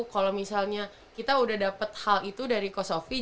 kalau misalnya kita udah dapet hal itu dari kosofi